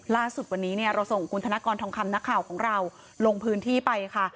ล่าสุดวันนี้เนี่ยเราส่งคุณธนกรทองคำนักข่าวของเราลงพื้นที่ไปค่ะ